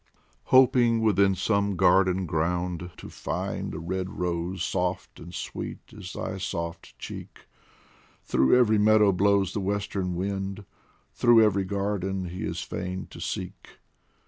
Hoping within some garden ground to find A red rose soft and sweet as thy soft cheek, Through every meadow blows the western wind, Through every garden he is fain to seek.